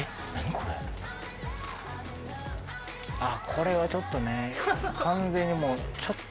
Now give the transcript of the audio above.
これはちょっとね完全にもう。